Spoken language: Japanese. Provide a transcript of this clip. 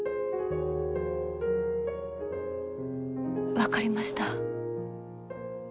分かりました。